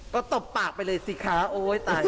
พี่บอกว่าบ้านทุกคนในที่นี่